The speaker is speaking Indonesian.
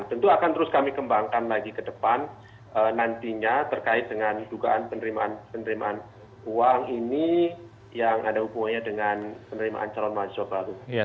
tentu akan terus kami kembangkan lagi ke depan nantinya terkait dengan dugaan penerimaan uang ini yang ada hubungannya dengan penerimaan calon mahasiswa baru